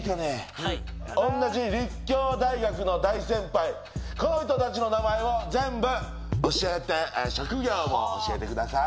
はい同じ立教大学の大先輩この人たちの名前を全部教えて職業も教えてください